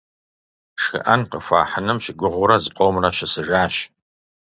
ШхыӀэн къыхуахьыным щыгугъыу зыкъомрэ щысыжащ.